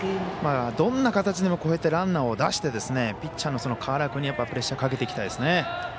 どんな形にもこうやってランナーを出してピッチャーの川原君にプレッシャーかけていきたいです。